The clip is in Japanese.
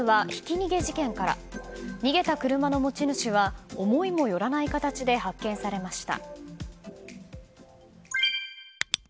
逃げた車の持ち主は思いもよらない形で発見されました。